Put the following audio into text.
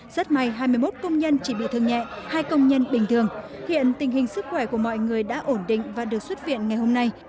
rất may hai mươi một công nhân chỉ bị thương nhẹ hai công nhân bình thường hiện tình hình sức khỏe của mọi người đã ổn định và được xuất viện ngày hôm nay